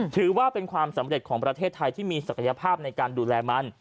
ถือว่าเป็นความสำเร็จของประเทศไทยที่มีศักยภาพในการดูแลมัน